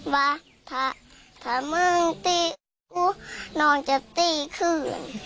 ว่าถ้ามึงตีนองจะตีขึ้น